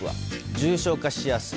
重症化しやすい？